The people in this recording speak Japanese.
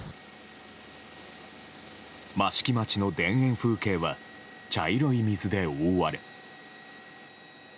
益城町の田園風景は茶色い水で覆われ。